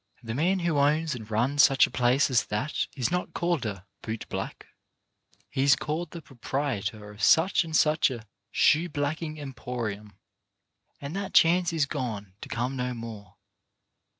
The man who owns and runs such a place as that is not called a ''boot black"; he is called the proprietor of such and such a "Shoe blacking Emporium." And that chance is gone to come no more.